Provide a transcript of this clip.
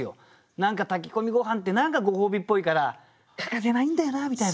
何か炊き込みごはんって何かご褒美っぽいから欠かせないんだよなみたいな。